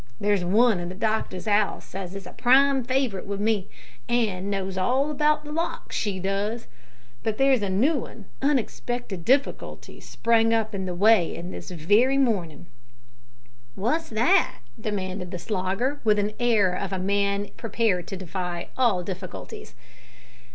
There's one in the doctor's 'ouse as is a prime favourite with me, an' knows all about the locks, she does. But there's a noo an' unexpected difficulty sprung up in the way this wery mornin'." "Wot's that?" demanded the Slogger, with the air of a man prepared to defy all difficulties.